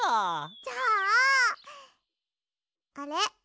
じゃああれ？